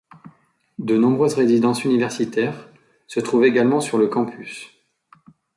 De nombreuses résidences universitaires se trouvent également sur le campus.